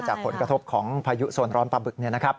จากผลกระทบของพายุส่วนร้อนปลาบึกนะครับ